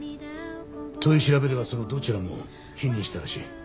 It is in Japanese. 取り調べではそのどちらも否認したらしい。